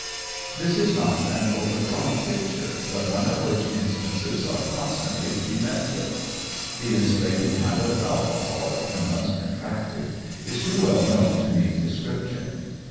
This is not an overdrawn picture, but one of which instances are constantly to be met with. The enslaving habit of alcohol, when once contracted, is too well known to need description.